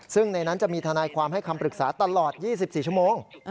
ซึ่งในนั้นจะมีทนายความให้คำปรึกษาตลอด๒๔ชั่วโมง